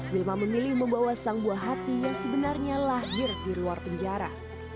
wilma memilih membawa sang buah hati yang sebenarnya lahir di luar penjara